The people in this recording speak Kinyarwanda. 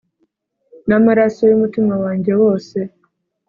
Namaraso yumutima wanjye wose